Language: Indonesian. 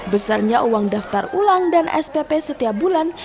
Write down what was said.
besarnya uang daftar ulang dan spp setiap bulan